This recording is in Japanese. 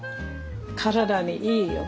体にいいよ。